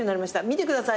見てください。